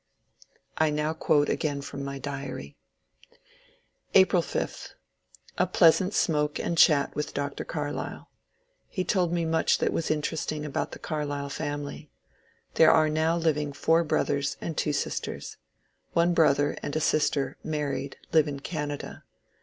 I now quote again from my diary :— April 5. A pleasant smoke and chat' with Dr. Carlyle. He told me much that was interesting about the Carlyle family. There are now living four brothers and two sisters. One brother and a sister (married) live in Canada.